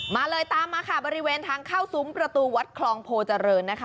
มาเลยตามมาค่ะบริเวณทางเข้าซุ้มประตูวัดคลองโพเจริญนะคะ